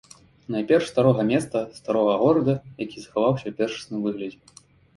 Найперш, старога места, старога горада, які захаваўся ў першасным выглядзе.